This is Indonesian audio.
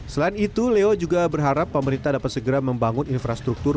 selain itu leo juga berharap pemerintah dapat segera membangun infrastruktur